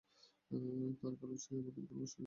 তার কালো ছায়া আমাদের উপর প্রসারিত করেছে।